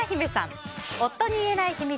夫に言えない秘密